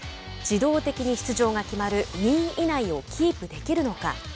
自動的に出場が決まる２位以内をキープできるのか。